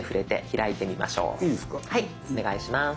はいお願いします。